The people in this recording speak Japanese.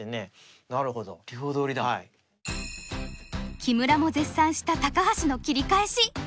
木村も絶賛した高橋の切り返し。